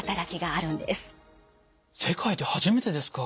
世界で初めてですか。